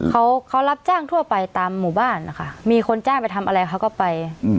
เขาเขารับจ้างทั่วไปตามหมู่บ้านนะคะมีคนจ้างไปทำอะไรเขาก็ไป